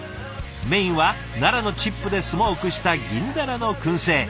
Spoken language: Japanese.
メインは楢のチップでスモークした銀鱈の燻製。